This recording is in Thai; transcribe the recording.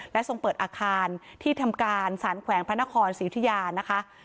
และทรงเปิดอาคารที่ทำการสารแขวงพระนครศรีอุทิยานะคะ